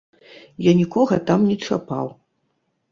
Я нікога там не чапаў!